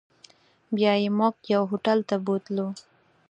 بیا یې موږ یو هوټل ته بوتلو.